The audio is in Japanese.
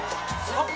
あっ！